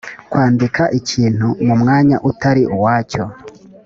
kwandika ikintu mu mwanya utari uwacyo